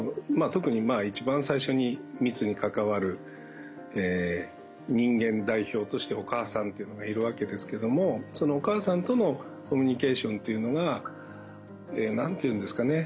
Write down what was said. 特に一番最初に密に関わる人間代表としてお母さんというのがいるわけですけどもそのお母さんとのコミュニケーションというのが何て言うんですかね